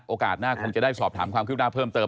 โอกาสหน้าคงจะได้สอบถามความคืบหน้าเพิ่มเติม